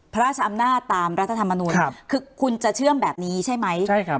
พระราชอำนาจตามรัฐธรรมนุนคือคุณจะเชื่อมแบบนี้ใช่ไหมใช่ครับ